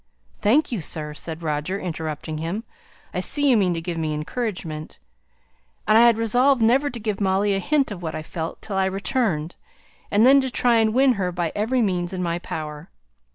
"Thank you, sir!" said Roger, interrupting him. "I see you mean to give me encouragement. And I had resolved never to give Molly a hint of what I felt till I returned, and then to try and win her by every means in my power.